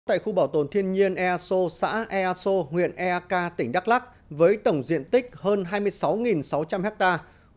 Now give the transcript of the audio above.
tại khu bảo tồn thiên nhiên easo xã easo huyện eak tỉnh đắk lắc với tổng diện tích hơn hai mươi sáu sáu trăm linh hectare